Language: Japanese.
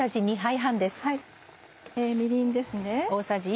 みりんです。